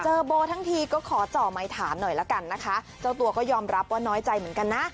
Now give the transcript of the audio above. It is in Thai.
โบทั้งทีก็ขอจ่อไมค์ถามหน่อยละกันนะคะเจ้าตัวก็ยอมรับว่าน้อยใจเหมือนกันนะ